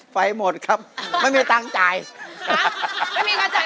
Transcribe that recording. ไฟหมดครับไม่มีการจ่าย